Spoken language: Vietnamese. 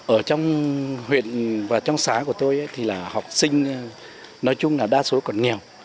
ở trong huyện và trong xã của tôi thì là học sinh nói chung là đa số còn nghèo